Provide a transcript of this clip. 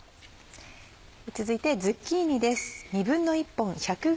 続いてズッキーニです。